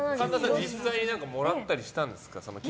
実際にもらったりしたんですか？